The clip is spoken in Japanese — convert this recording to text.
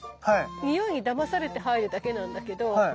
においにダマされて入るだけなんだけど。